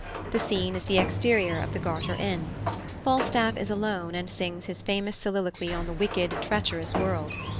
The scene is the exterior of the Garter Inn. Falstaff is alone, and sings his famous soliloquy on the wicked, treacherous world.